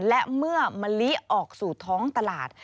และเมื่อมะลิออกสู่ท้องตลาด